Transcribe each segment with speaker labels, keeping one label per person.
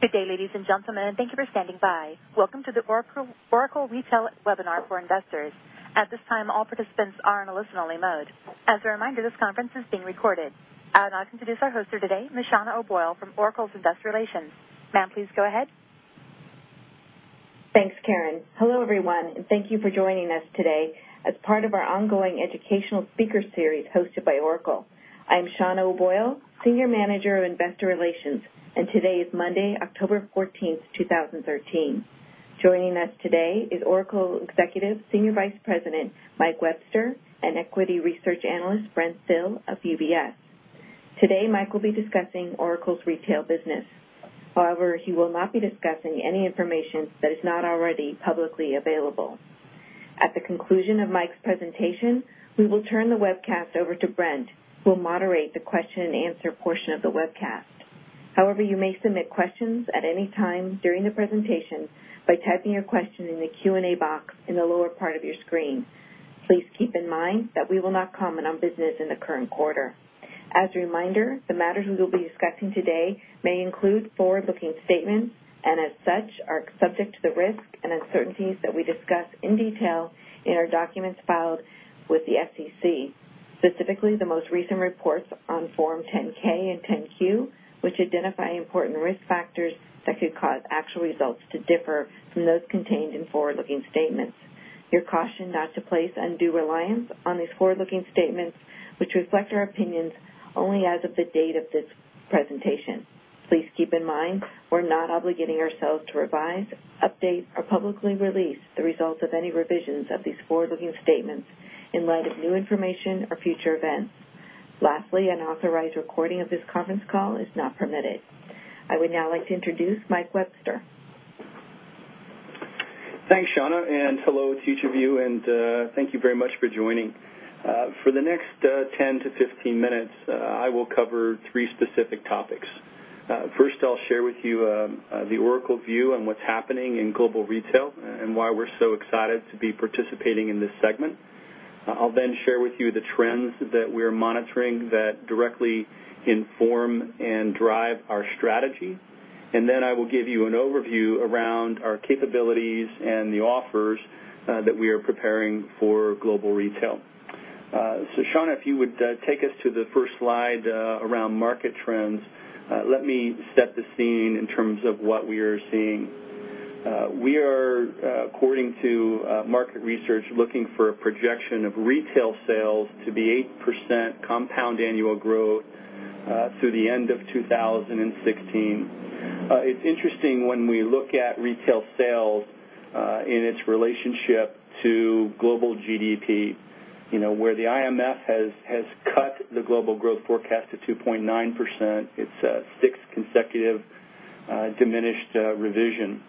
Speaker 1: Good day, ladies and gentlemen. Thank you for standing by. Welcome to the Oracle Retail webinar for investors. At this time, all participants are in listen-only mode. As a reminder, this conference is being recorded. I would now like to introduce our host for today, Shauna O'Boyle from Oracle's Investor Relations. Ma'am, please go ahead.
Speaker 2: Thanks, Karen. Hello, everyone, thank you for joining us today as part of our ongoing educational speaker series hosted by Oracle. I am Shauna O'Boyle, senior manager of investor relations, and today is Monday, October 14th, 2013. Joining us today is Oracle executive Senior Vice President Mike Webster and equity research analyst Brent Thill of UBS. Today, Mike will be discussing Oracle's retail business. He will not be discussing any information that is not already publicly available. At the conclusion of Mike's presentation, we will turn the webcast over to Brent, who will moderate the question and answer portion of the webcast. You may submit questions at any time during the presentation by typing your question in the Q&A box in the lower part of your screen. Please keep in mind that we will not comment on business in the current quarter. As a reminder, the matters we will be discussing today may include forward-looking statements, as such, are subject to the risks and uncertainties that we discuss in detail in our documents filed with the SEC, specifically the most recent reports on Form 10-K and 10-Q, which identify important risk factors that could cause actual results to differ from those contained in forward-looking statements. You're cautioned not to place undue reliance on these forward-looking statements, which reflect our opinions only as of the date of this presentation. Please keep in mind, we're not obligating ourselves to revise, update, or publicly release the results of any revisions of these forward-looking statements in light of new information or future events. Lastly, unauthorized recording of this conference call is not permitted. I would now like to introduce Mike Webster.
Speaker 3: Thanks, Shauna, hello to each of you, thank you very much for joining. For the next 10 to 15 minutes, I will cover three specific topics. First, I'll share with you the Oracle view on what's happening in global retail and why we're so excited to be participating in this segment. I'll share with you the trends that we're monitoring that directly inform and drive our strategy, I will give you an overview around our capabilities and the offers that we are preparing for global retail. Shauna, if you would take us to the first slide around market trends, let me set the scene in terms of what we are seeing. We are, according to market research, looking for a projection of retail sales to be 8% compound annual growth through the end of 2016. It's interesting when we look at retail sales and its relationship to global GDP, where the IMF has cut the global growth forecast to 2.9%. It's a sixth consecutive diminished revision.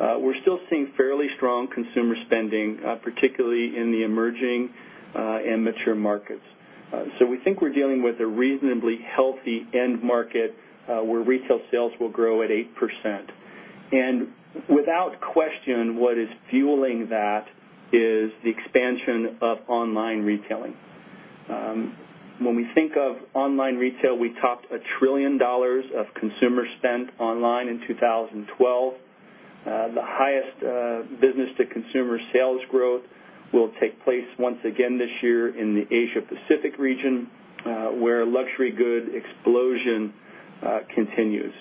Speaker 3: We're still seeing fairly strong consumer spending, particularly in the emerging and mature markets. We think we're dealing with a reasonably healthy end market where retail sales will grow at 8%. Without question, what is fueling that is the expansion of online retailing. We think of online retail, we topped $1 trillion of consumer spend online in 2012. The highest business-to-consumer sales growth will take place once again this year in the Asia-Pacific region, where luxury good explosion continues.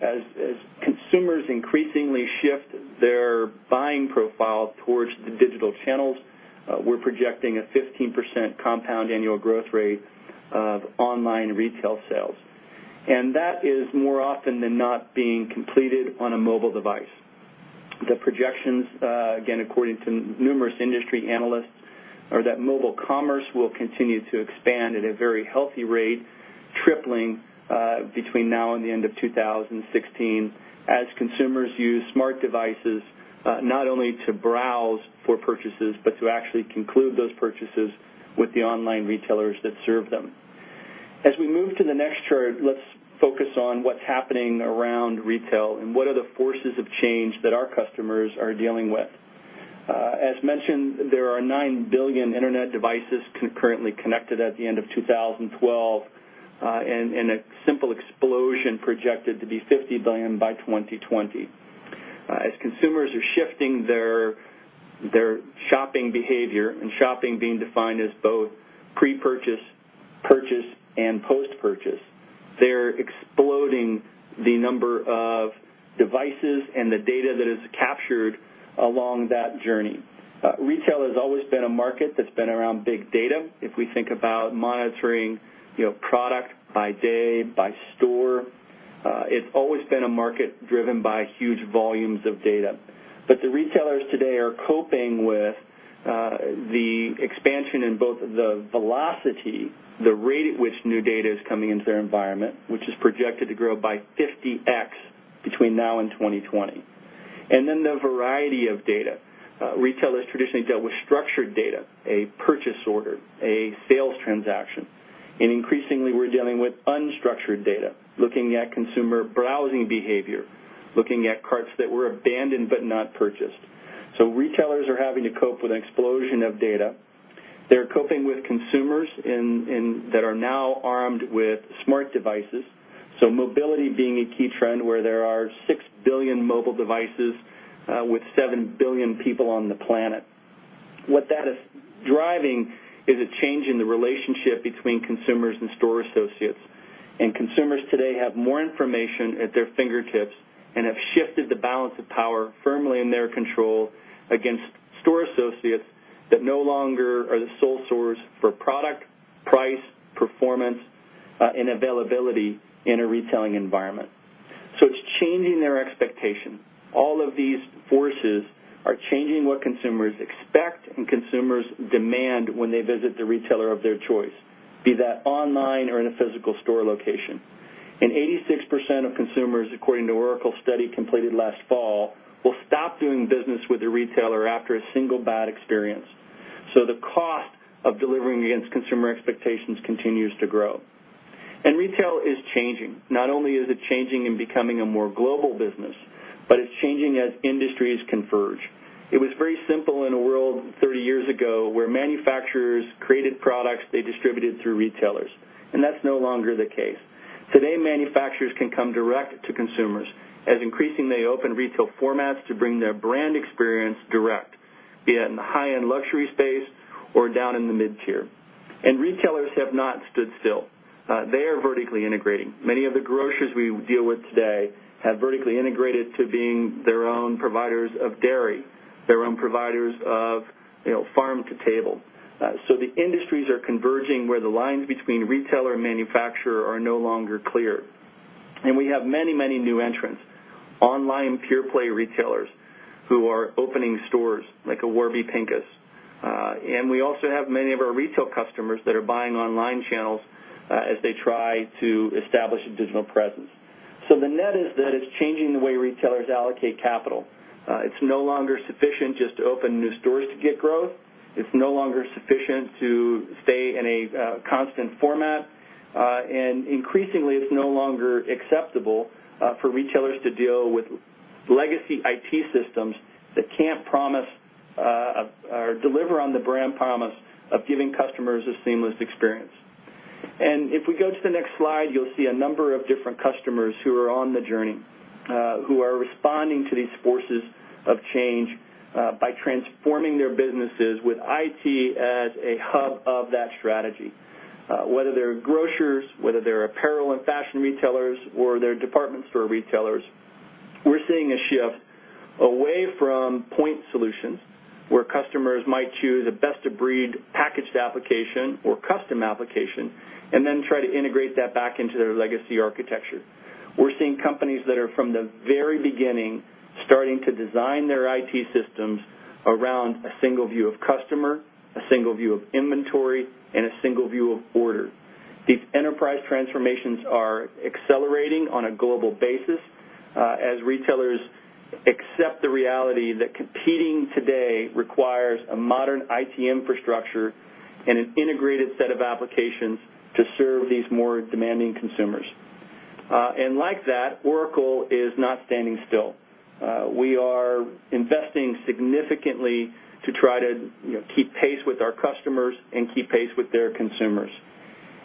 Speaker 3: As consumers increasingly shift their buying profile towards the digital channels, we're projecting a 15% compound annual growth rate of online retail sales. That is more often than not being completed on a mobile device. The projections, again, according to numerous industry analysts, are that mobile commerce will continue to expand at a very healthy rate, tripling between now and the end of 2016 as consumers use smart devices not only to browse for purchases but to actually conclude those purchases with the online retailers that serve them. We move to the next chart, let's focus on what's happening around retail and what are the forces of change that our customers are dealing with. As mentioned, there are 9 billion internet devices currently connected at the end of 2012, and a simple explosion projected to be 50 billion by 2020. Consumers are shifting their shopping behavior, and shopping being defined as both pre-purchase, purchase, and post-purchase, they're exploding the number of devices and the data that is captured along that journey. Retail has always been a market that's been around big data. If we think about monitoring product by day, by store, it's always been a market driven by huge volumes of data. The retailers today are coping with the expansion in both the velocity, the rate at which new data is coming into their environment, which is projected to grow by 50X between now and 2020, and then the variety of data. Retail has traditionally dealt with structured data, a purchase order, a sales transaction, and increasingly, we're dealing with unstructured data, looking at consumer browsing behavior, looking at carts that were abandoned but not purchased. Retailers are having to cope with an explosion of data. They're coping with consumers that are now armed with smart devices, so mobility being a key trend where there are 6 billion mobile devices with 7 billion people on the planet. What that is driving is a change in the relationship between consumers and store associates. Consumers today have more information at their fingertips and have shifted the balance of power firmly in their control against store associates that no longer are the sole source for product, price, performance, and availability in a retailing environment. It's changing their expectations. All of these forces are changing what consumers expect and consumers demand when they visit the retailer of their choice, be that online or in a physical store location. 86% of consumers, according to Oracle study completed last fall, will stop doing business with a retailer after a single bad experience. The cost of delivering against consumer expectations continues to grow. Retail is changing. Not only is it changing and becoming a more global business, but it's changing as industries converge. It was very simple in a world 30 years ago, where manufacturers created products they distributed through retailers, that's no longer the case. Today, manufacturers can come direct to consumers as increasingly they open retail formats to bring their brand experience direct, be it in the high-end luxury space or down in the mid-tier. Retailers have not stood still. They are vertically integrating. Many of the grocers we deal with today have vertically integrated to being their own providers of dairy, their own providers of farm-to-table. The industries are converging where the lines between retailer and manufacturer are no longer clear. We have many new entrants, online pure-play retailers who are opening stores like a Warby Parker. We also have many of our retail customers that are buying online channels as they try to establish a digital presence. The net is that it's changing the way retailers allocate capital. It's no longer sufficient just to open new stores to get growth. It's no longer sufficient to stay in a constant format. Increasingly, it's no longer acceptable for retailers to deal with legacy IT systems that can't promise or deliver on the brand promise of giving customers a seamless experience. If we go to the next slide, you'll see a number of different customers who are on the journey, who are responding to these forces of change by transforming their businesses with IT as a hub of that strategy. Whether they're grocers, whether they're apparel and fashion retailers, or they're department store retailers, we're seeing a shift away from point solutions where customers might choose a best-of-breed packaged application or custom application and then try to integrate that back into their legacy architecture. We're seeing companies that are from the very beginning starting to design their IT systems around a single view of customer, a single view of inventory, and a single view of order. These enterprise transformations are accelerating on a global basis as retailers accept the reality that competing today requires a modern IT infrastructure and an integrated set of applications to serve these more demanding consumers. Like that, Oracle is not standing still. We are investing significantly to try to keep pace with our customers and keep pace with their consumers.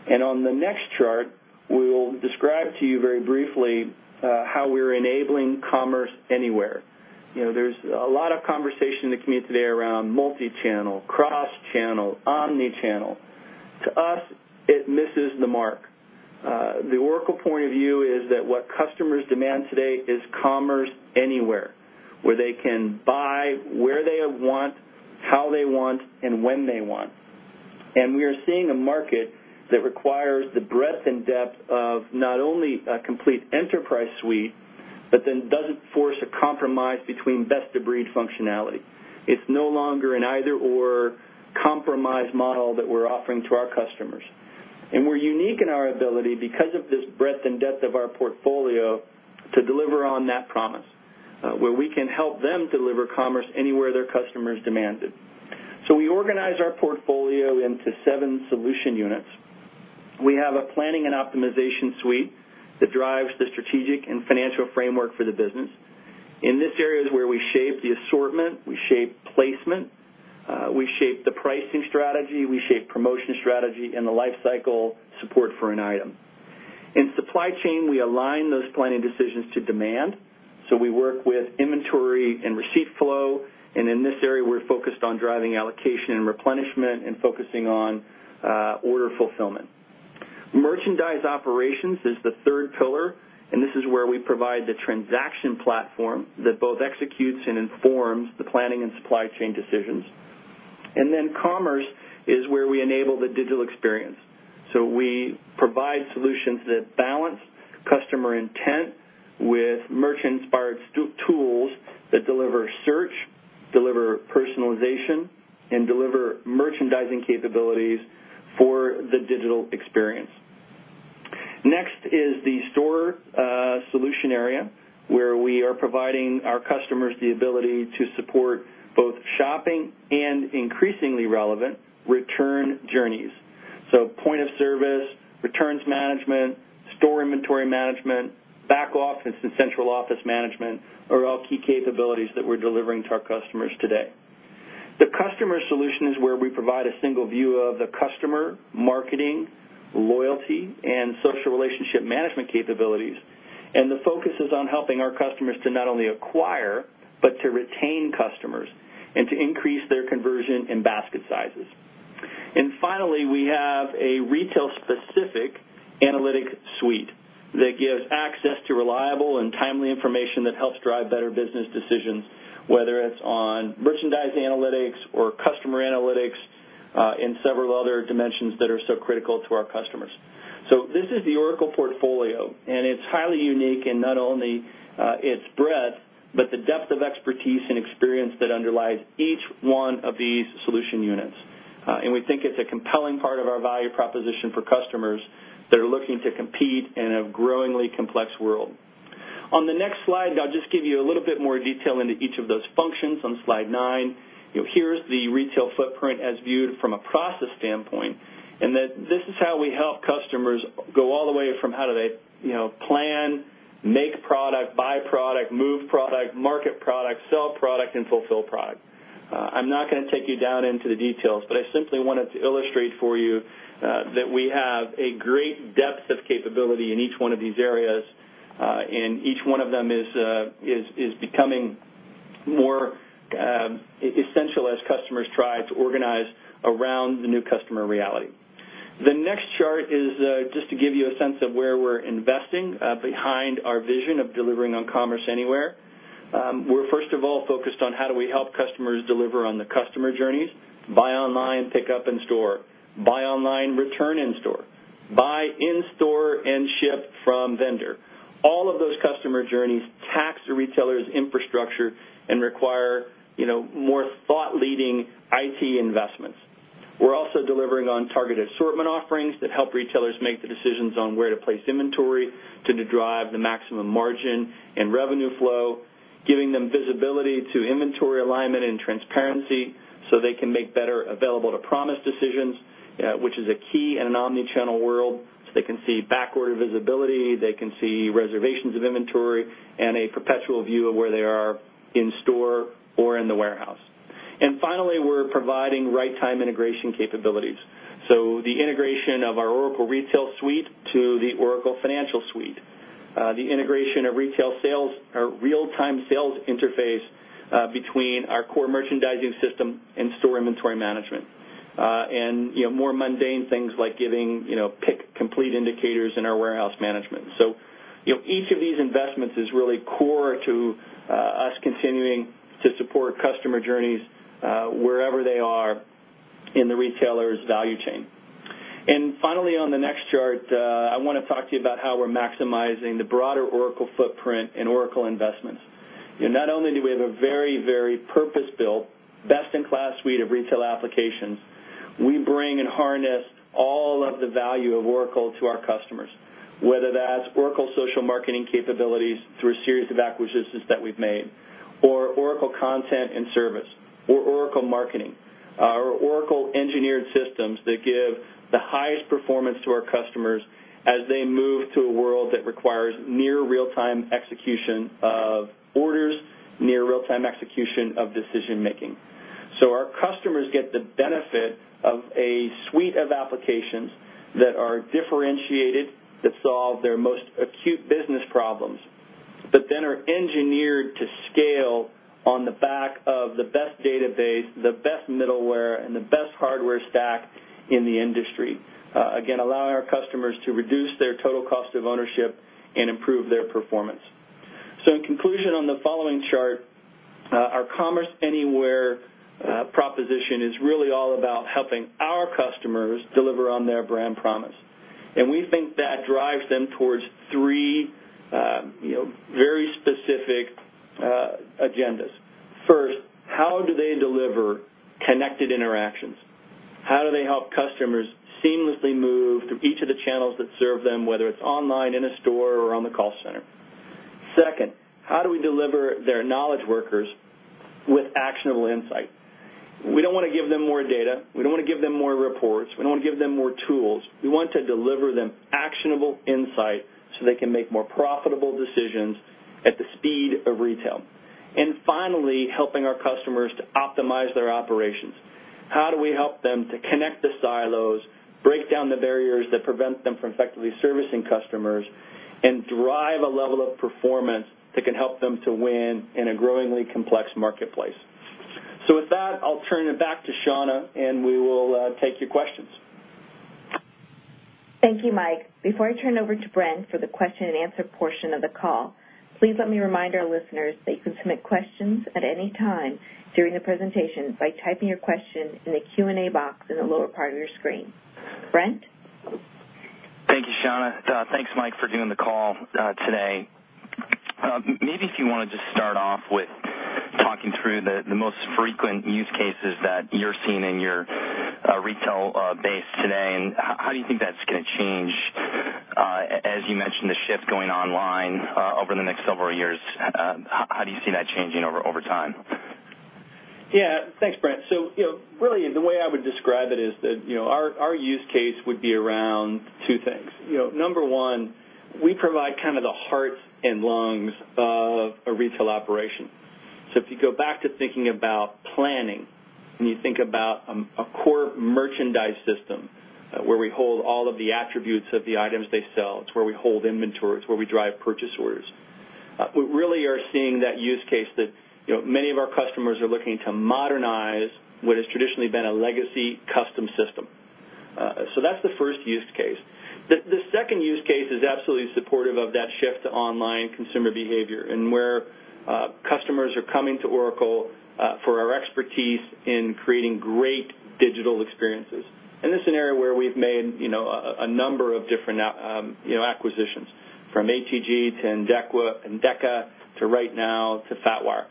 Speaker 3: On the next chart, we will describe to you very briefly how we're enabling Commerce Anywhere. There's a lot of conversation in the community around multichannel, cross-channel, omnichannel. To us, it misses the mark. The Oracle point of view is that what customers demand today is Commerce Anywhere, where they can buy where they want, how they want, and when they want. We are seeing a market that requires the breadth and depth of not only a complete enterprise suite, but then doesn't force a compromise between best-of-breed functionality. It's no longer an either/or compromise model that we're offering to our customers. We're unique in our ability because of this breadth and depth of our portfolio to deliver on that promise, where we can help them deliver Commerce Anywhere their customers demand it. We organize our portfolio into seven solution units. We have a planning and optimization suite that drives the strategic and financial framework for the business. In this area is where we shape the assortment, we shape placement, we shape the pricing strategy, we shape promotion strategy, and the lifecycle support for an item. In supply chain, we align those planning decisions to demand. We work with inventory and receipt flow, and in this area, we're focused on driving allocation and replenishment and focusing on order fulfillment. Merchandise operations is the third pillar, and this is where we provide the transaction platform that both executes and informs the planning and supply chain decisions. Commerce is where we enable the digital experience. We provide solutions that balance customer intent with merchant-inspired tools that deliver search, deliver personalization, and deliver merchandising capabilities for the digital experience. Next is the store solution area, where we are providing our customers the ability to support both shopping and, increasingly relevant, return journeys. point of service, returns management, store inventory management, back office and central office management are all key capabilities that we're delivering to our customers today. The customer solution is where we provide a single view of the customer, marketing, loyalty, and social relationship management capabilities, the focus is on helping our customers to not only acquire, but to retain customers and to increase their conversion in basket sizes. Finally, we have a retail-specific analytic suite that gives access to reliable and timely information that helps drive better business decisions, whether it's on merchandise analytics or customer analytics, and several other dimensions that are so critical to our customers. This is the Oracle portfolio, and it's highly unique in not only its breadth, but the depth of expertise and experience that underlies each one of these solution units. We think it's a compelling part of our value proposition for customers that are looking to compete in a growingly complex world. On the next slide, I'll just give you a little bit more detail into each of those functions on slide nine. Here's the retail footprint as viewed from a process standpoint, that this is how we help customers go all the way from how do they plan, make product, buy product, move product, market product, sell product, and fulfill product. I'm not going to take you down into the details, but I simply wanted to illustrate for you that we have a great depth of capability in each one of these areas. Each one of them is becoming more essential as customers try to organize around the new customer reality. The next chart is just to give you a sense of where we're investing behind our vision of delivering on Commerce Anywhere. We're first of all focused on how do we help customers deliver on the customer journeys, buy online, pick up in store, buy online, return in store, buy in store, and ship from vendor. All of those customer journeys tax a retailer's infrastructure and require more thought-leading IT investments. We're also delivering on targeted assortment offerings that help retailers make the decisions on where to place inventory to derive the maximum margin and revenue flow, giving them visibility to inventory alignment and transparency so they can make better available-to-promise decisions, which is a key in an omnichannel world. They can see backward visibility, they can see reservations of inventory, and a perpetual view of where they are in store or in the warehouse. Finally, we're providing right-time integration capabilities. The integration of our Oracle Retail suite to the Oracle Financials suite. The integration of retail sales, our real-time sales interface between our core merchandising system and store inventory management. More mundane things like giving pick complete indicators in our warehouse management. Each of these investments is really core to us continuing to support customer journeys wherever they are in the retailer's value chain. Finally, on the next chart, I want to talk to you about how we're maximizing the broader Oracle footprint and Oracle investments. Not only do we have a very purpose-built, best-in-class suite of retail applications, we bring and harness all of the value of Oracle to our customers, whether that's Oracle social marketing capabilities through a series of acquisitions that we've made, or Oracle content and service, or Oracle marketing, or Oracle engineered systems that give the highest performance to our customers as they move to a world that requires near real-time execution of orders, near real-time execution of decision-making. Our customers get the benefit of a suite of applications that are differentiated, that solve their most acute business problems, but then are engineered to scale on the back of the best database, the best middleware, and the best hardware stack in the industry. Again, allowing our customers to reduce their total cost of ownership and improve their performance. In conclusion, on the following chart, our Commerce Anywhere proposition is really all about helping our customers deliver on their brand promise. We think that drives them towards three very specific agendas. First, how do they deliver connected interactions? How do they help customers seamlessly move through each of the channels that serve them, whether it's online, in a store, or on the call center? Second, how do we deliver their knowledge workers with actionable insight? We don't want to give them more data. We don't want to give them more reports. We don't want to give them more tools. We want to deliver them actionable insight so they can make more profitable decisions at the speed of retail. Finally, helping our customers to optimize their operations. How do we help them to connect the silos, break down the barriers that prevent them from effectively servicing customers, and drive a level of performance that can help them to win in a growingly complex marketplace? With that, I'll turn it back to Shauna, and we will take your questions.
Speaker 2: Thank you, Mike. Before I turn it over to Brent for the question and answer portion of the call, please let me remind our listeners that you can submit questions at any time during the presentation by typing your questions in the Q&A box in the lower part of your screen. Brent?
Speaker 4: Thank you, Shauna. Thanks, Mike, for doing the call today. If you want to just start off with talking through the most frequent use cases that you're seeing in your retail base today, and how do you think that's going to change As you mentioned, the shift going online over the next several years, how do you see that changing over time?
Speaker 3: Yeah. Thanks, Brent. Really, the way I would describe it is that our use case would be around two things. Number 1, we provide kind of the heart and lungs of a retail operation. If you go back to thinking about planning and you think about a core merchandise system where we hold all of the attributes of the items they sell, it's where we hold inventory, it's where we drive purchase orders. We really are seeing that use case that many of our customers are looking to modernize what has traditionally been a legacy custom system. That's the first use case. The second use case is absolutely supportive of that shift to online consumer behavior and where customers are coming to Oracle for our expertise in creating great digital experiences. This is an area where we've made a number of different acquisitions, from ATG to Endeca to RightNow to FatWire.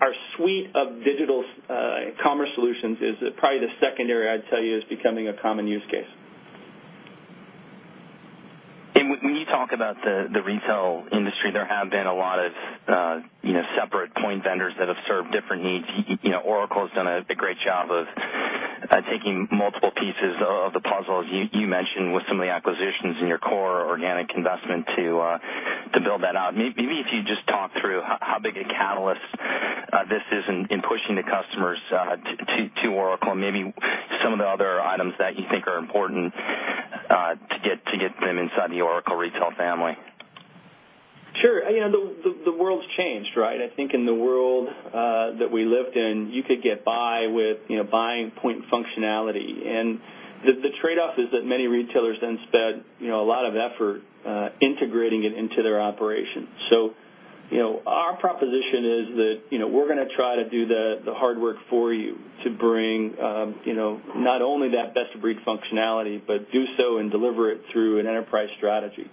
Speaker 3: Our suite of digital commerce solutions is probably the second area I'd tell you is becoming a common use case.
Speaker 4: When you talk about the retail industry, there have been a lot of separate point vendors that have served different needs. Oracle's done a great job of taking multiple pieces of the puzzle, as you mentioned, with some of the acquisitions in your core organic investment to build that out. Maybe if you just talk through how big a catalyst this is in pushing the customers to Oracle and maybe some of the other items that you think are important to get them inside the Oracle Retail family.
Speaker 3: Sure. The world's changed, right? I think in the world that we lived in, you could get by with buying point functionality. The trade-off is that many retailers then spent a lot of effort integrating it into their operation. Our proposition is that we're going to try to do the hard work for you to bring not only that best-of-breed functionality, but do so and deliver it through an enterprise strategy.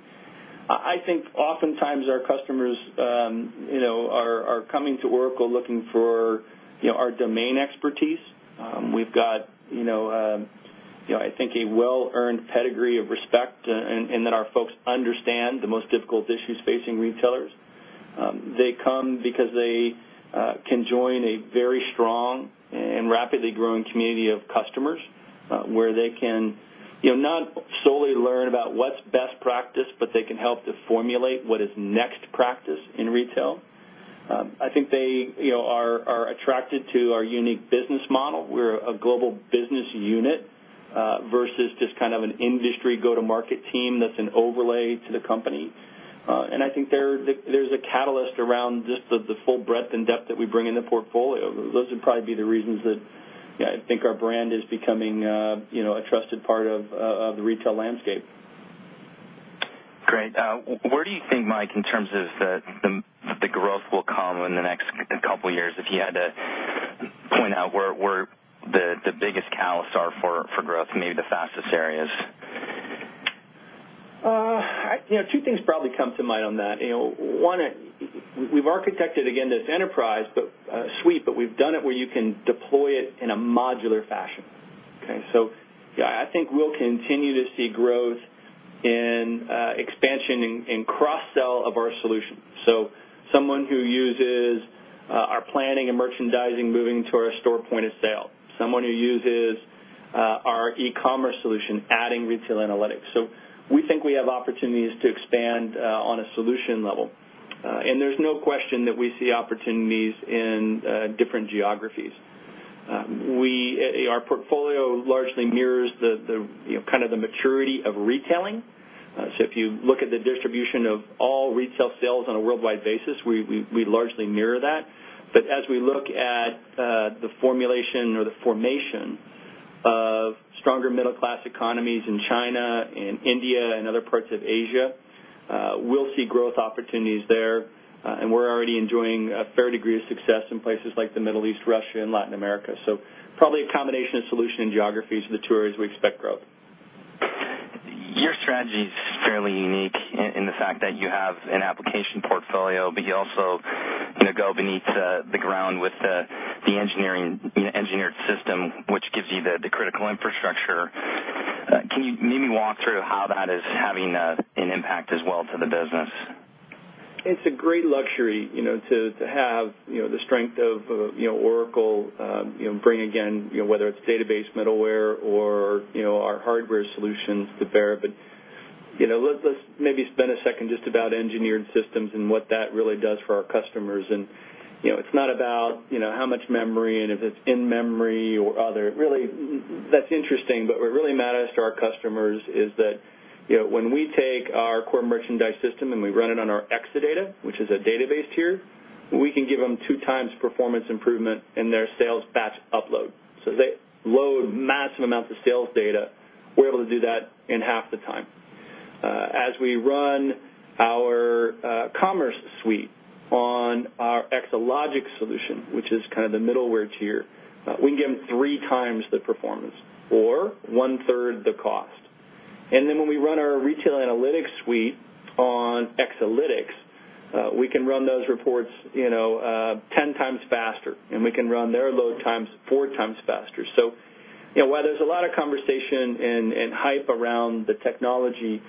Speaker 3: I think oftentimes our customers are coming to Oracle looking for our domain expertise. We've got, I think, a well-earned pedigree of respect in that our folks understand the most difficult issues facing retailers. They come because they can join a very strong and rapidly growing community of customers where they can not solely learn about what's best practice, but they can help to formulate what is next practice in retail. I think they are attracted to our unique business model. We're a global business unit versus just kind of an industry go-to-market team that's an overlay to the company. I think there's a catalyst around just the full breadth and depth that we bring in the portfolio. Those would probably be the reasons that I think our brand is becoming a trusted part of the retail landscape.
Speaker 4: Great. Where do you think, Mike, in terms of the growth will come in the next couple of years if you had to point out where the biggest catalysts are for growth, maybe the fastest areas?
Speaker 3: Two things probably come to mind on that. One, we've architected, again, this enterprise suite, but we've done it where you can deploy it in a modular fashion. I think we'll continue to see growth in expansion in cross-sell of our solution. Someone who uses our planning and merchandising moving to our store point-of-sale, someone who uses our e-commerce solution, adding retail analytics. We think we have opportunities to expand on a solution level. There's no question that we see opportunities in different geographies. Our portfolio largely mirrors the kind of the maturity of retailing. If you look at the distribution of all retail sales on a worldwide basis, we largely mirror that. As we look at the formulation or the formation of stronger middle-class economies in China and India and other parts of Asia, we'll see growth opportunities there. We're already enjoying a fair degree of success in places like the Middle East, Russia, and Latin America. Probably a combination of solution and geographies are the two areas we expect growth.
Speaker 4: Your strategy's fairly unique in the fact that you have an application portfolio, but you also go beneath the ground with the engineered system, which gives you the critical infrastructure. Can you maybe walk through how that is having an impact as well to the business?
Speaker 3: It's a great luxury to have the strength of Oracle bring again, whether it's database middleware or our hardware solutions to bear. Let's maybe spend a second just about engineered systems and what that really does for our customers. It's not about how much memory and if it's in memory or other. Really, that's interesting, but what really matters to our customers is that when we take our core merchandise system and we run it on our Exadata, which is a database tier, we can give them two times performance improvement in their sales batch upload. They load massive amounts of sales data. We're able to do that in half the time. As we run our commerce suite on our Exalogic solution, which is kind of the middleware tier, we can give them three times the performance or one-third the cost. When we run our retail analytics suite on Exalytics, we can run those reports 10 times faster, and we can run their load times four times faster. While there's a lot of conversation and hype around the technology,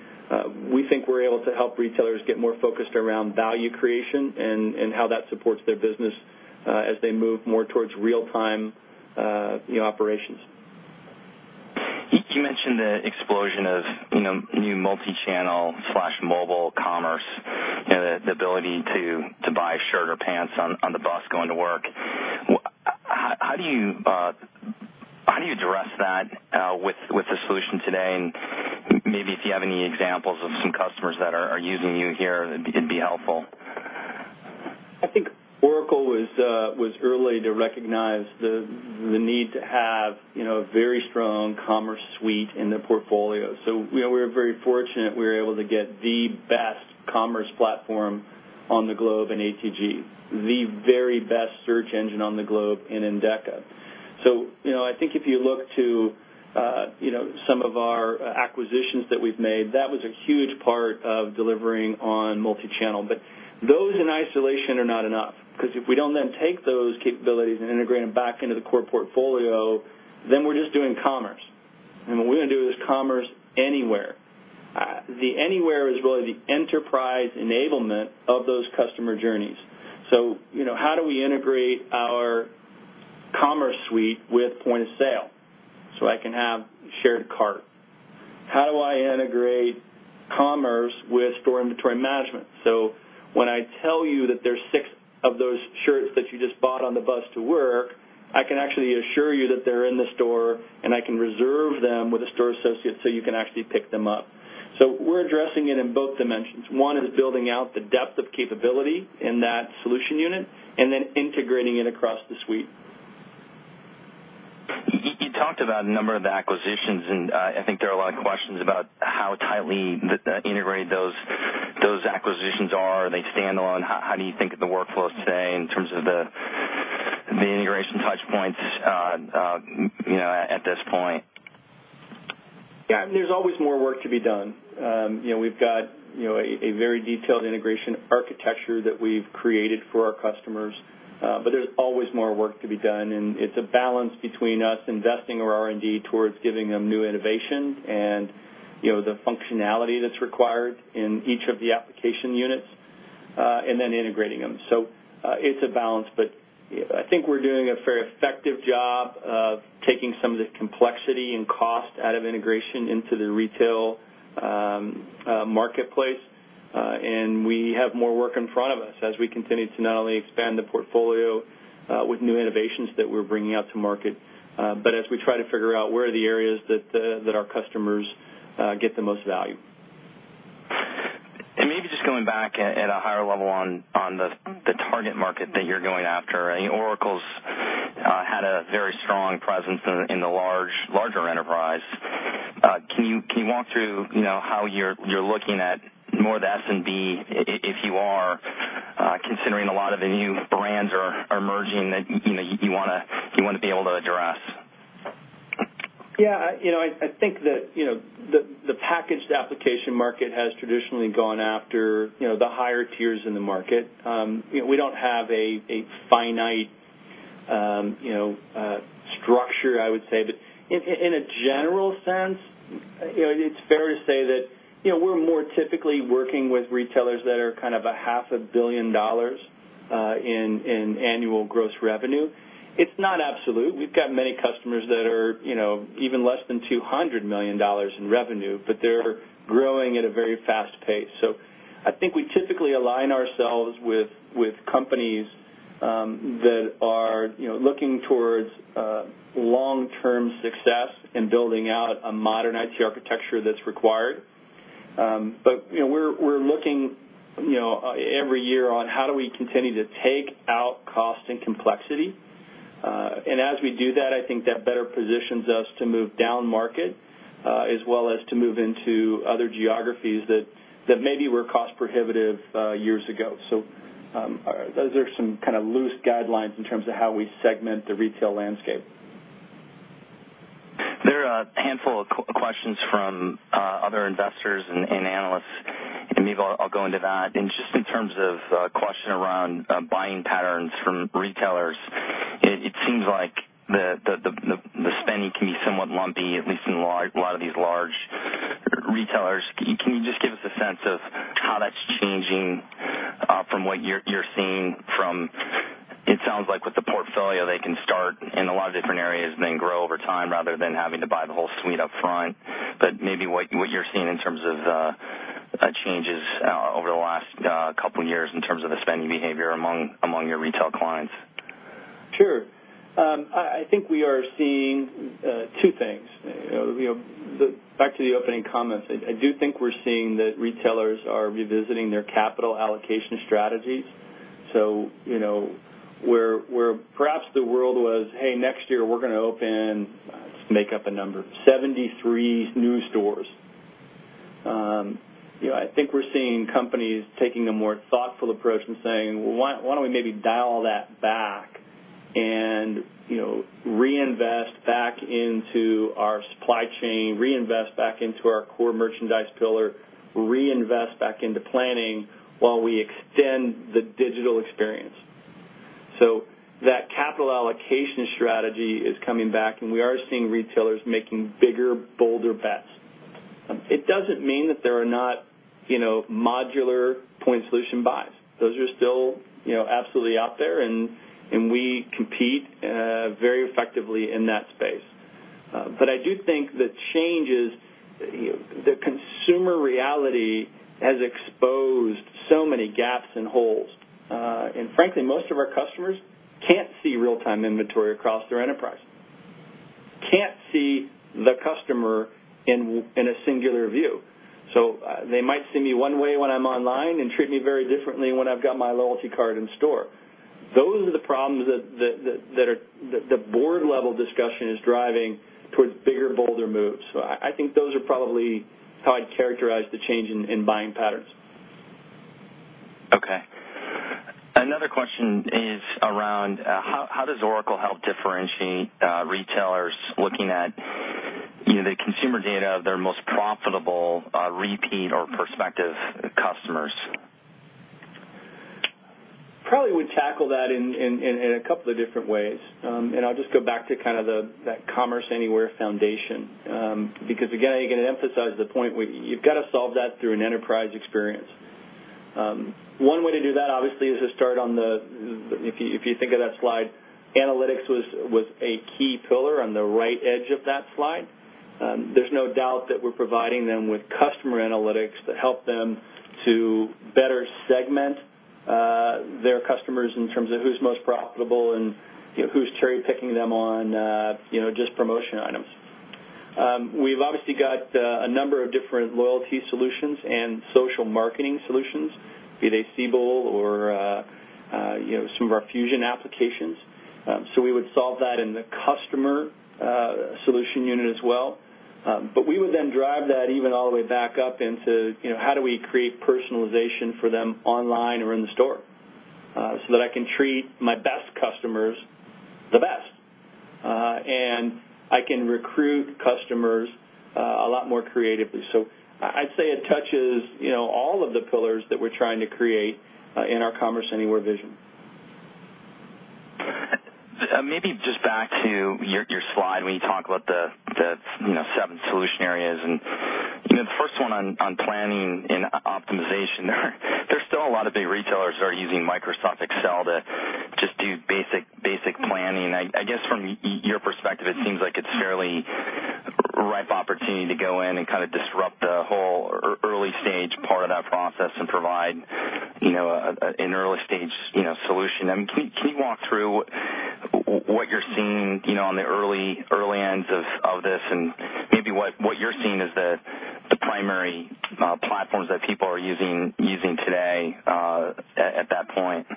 Speaker 3: we think we're able to help retailers get more focused around value creation and how that supports their business as they move more towards real-time operations.
Speaker 4: You mentioned the explosion of new multichannel/mobile commerce, the ability to buy a shirt or pants on the bus going to work. How do you address that with the solution today? Maybe if you have any examples of some customers that are using you here, it'd be helpful.
Speaker 3: I think Oracle was early to recognize the need to have a very strong commerce suite in the portfolio. We were very fortunate we were able to get the best commerce platform on the globe in ATG, the very best search engine on the globe in Endeca. I think if you look to some of our acquisitions that we've made, that was a huge part of delivering on multichannel. Those in isolation are not enough, because if we don't then take those capabilities and integrate them back into the core portfolio, then we're just doing commerce. What we want to do is Commerce Anywhere. The anywhere is really the enterprise enablement of those customer journeys. How do we integrate our commerce suite with point-of-sale so I can have a shared cart? How do I integrate commerce with store inventory management, so when I tell you that there's six of those shirts that you just bought on the bus to work, I can actually assure you that they're in the store, and I can reserve them with a store associate so you can actually pick them up? We're addressing it in both dimensions. One is building out the depth of capability in that solution unit and then integrating it across the suite.
Speaker 4: You talked about a number of acquisitions, I think there are a lot of questions about how tightly integrated those acquisitions are. Are they standalone? How do you think of the workflows today in terms of the integration touch points at this point?
Speaker 3: There's always more work to be done. We've got a very detailed integration architecture that we've created for our customers, but there's always more work to be done, and it's a balance between us investing our R&D towards giving them new innovation and the functionality that's required in each of the application units, and then integrating them. It's a balance, but I think we're doing a very effective job of taking some of the complexity and cost out of integration into the retail marketplace. We have more work in front of us as we continue to not only expand the portfolio with new innovations that we're bringing out to market, but as we try to figure out where are the areas that our customers get the most value.
Speaker 4: Maybe just going back at a higher level on the target market that you're going after, Oracle's had a very strong presence in the larger enterprise. Can you walk through how you're looking at more of the SMB, if you are, considering a lot of the new brands are emerging that you want to be able to address?
Speaker 3: I think that the packaged application market has traditionally gone after the higher tiers in the market. We don't have a finite structure, I would say, but in a general sense, it's fair to say that we're more typically working with retailers that are kind of a half a billion dollars in annual gross revenue. It's not absolute. We've got many customers that are even less than $200 million in revenue, but they're growing at a very fast pace. I think we typically align ourselves with companies that are looking towards long-term success in building out a modern IT architecture that's required. We're looking every year on how do we continue to take out cost and complexity. As we do that, I think that better positions us to move down market, as well as to move into other geographies that maybe were cost-prohibitive years ago. Those are some kind of loose guidelines in terms of how we segment the retail landscape.
Speaker 4: There are a handful of questions from other investors and analysts, and maybe I'll go into that. Just in terms of a question around buying patterns from retailers, it seems like the spending can be somewhat lumpy, at least in a lot of these large retailers. Can you just give us a sense of how that's changing from what you're seeing from, it sounds like with the portfolio, they can start in a lot of different areas then grow over time rather than having to buy the whole suite up front. Maybe what you're seeing in terms of changes over the last couple of years in terms of the spending behavior among your retail clients.
Speaker 3: Sure. I think we are seeing two things. Back to the opening comments, I do think we're seeing that retailers are revisiting their capital allocation strategies. Where perhaps the world was, "Hey, next year, we're going to open," let's make up a number, "73 new stores." I think we're seeing companies taking a more thoughtful approach and saying, "Why don't we maybe dial that back and reinvest back into our supply chain, reinvest back into our core merchandise pillar, reinvest back into planning while we extend the digital experience. That capital allocation strategy is coming back, and we are seeing retailers making bigger, bolder bets. It doesn't mean that there are not modular point solution buys. Those are still absolutely out there, and we compete very effectively in that space. I do think the changes, the consumer reality has exposed so many gaps and holes. Frankly, most of our customers can't see real-time inventory across their enterprise, can't see the customer in a singular view. They might see me one way when I'm online and treat me very differently when I've got my loyalty card in store. Those are the problems that the board level discussion is driving towards bigger, bolder moves. I think those are probably how I'd characterize the change in buying patterns.
Speaker 4: Okay. Another question is around how does Oracle help differentiate retailers looking at the consumer data of their most profitable repeat or prospective customers?
Speaker 3: Probably would tackle that in a couple of different ways. I'll just go back to kind of that Commerce Anywhere foundation. Again, I emphasize the point where you've got to solve that through an enterprise experience. One way to do that, obviously, is to start on the, if you think of that slide, analytics was a key pillar on the right edge of that slide. There's no doubt that we're providing them with customer analytics that help them to better segment their customers in terms of who's most profitable and who's cherry-picking them on just promotion items. We've obviously got a number of different loyalty solutions and social marketing solutions, be it a Siebel or some of our Fusion applications. We would solve that in the customer solution unit as well. We would then drive that even all the way back up into how do we create personalization for them online or in the store so that I can treat my best customers the best, and I can recruit customers a lot more creatively. I'd say it touches all of the pillars that we're trying to create in our Commerce Anywhere vision.
Speaker 4: Maybe just back to your slide when you talk about the seven solution areas, and the first one on planning and optimization, there's still a lot of big retailers that are using Microsoft Excel to just do basic planning. I guess from your perspective, it seems like it's fairly ripe opportunity to go in and kind of disrupt the whole early stage part of that process and provide an early stage solution. Can you walk through what you're seeing on the early ends of this and maybe what you're seeing as the primary platforms that people are using today at that point?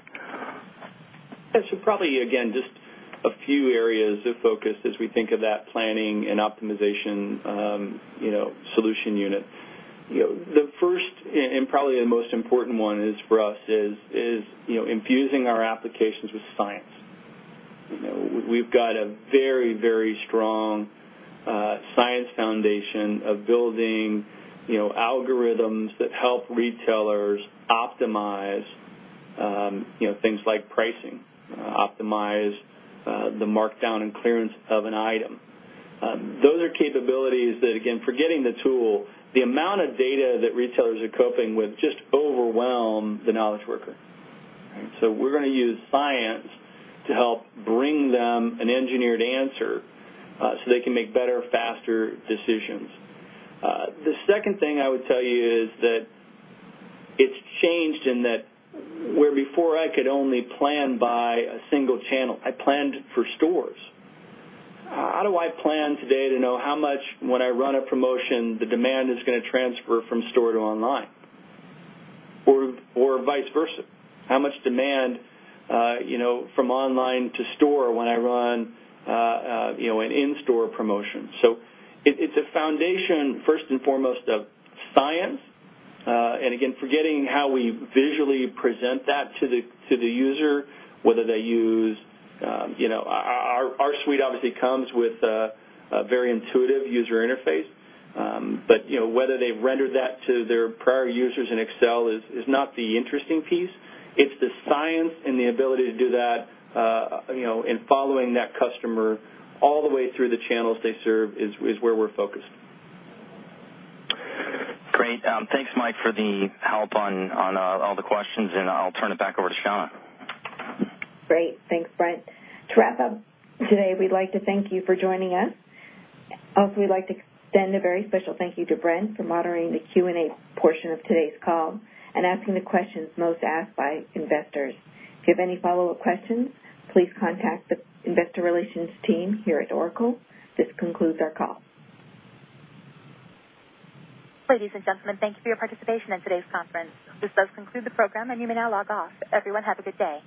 Speaker 3: Probably, again, just a few areas of focus as we think of that planning and optimization solution unit. The first and probably the most important one for us is infusing our applications with science. We've got a very strong science foundation of building algorithms that help retailers optimize things like pricing, optimize the markdown and clearance of an item. Those are capabilities that, again, forgetting the tool, the amount of data that retailers are coping with just overwhelm the knowledge worker. We're going to use science to help bring them an engineered answer so they can make better, faster decisions. The second thing I would tell you is that it's changed in that where before I could only plan by a single channel, I planned for stores. How do I plan today to know how much when I run a promotion, the demand is going to transfer from store to online or vice versa? How much demand from online to store when I run an in-store promotion? It's a foundation, first and foremost, of science. Again, forgetting how we visually present that to the user, whether they use our suite obviously comes with a very intuitive user interface. Whether they've rendered that to their prior users in Microsoft Excel is not the interesting piece. It's the science and the ability to do that in following that customer all the way through the channels they serve is where we're focused.
Speaker 4: Great. Thanks, Mike, for the help on all the questions. I'll turn it back over to Shauna.
Speaker 2: Great. Thanks, Brent. To wrap up today, we'd like to thank you for joining us. We'd like to extend a very special thank you to Brent for moderating the Q&A portion of today's call and asking the questions most asked by investors. If you have any follow-up questions, please contact the investor relations team here at Oracle. This concludes our call.
Speaker 1: Ladies and gentlemen, thank you for your participation in today's conference. This does conclude the program, and you may now log off. Everyone, have a good day.